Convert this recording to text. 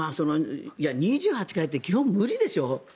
２８階って基本無理でしょ？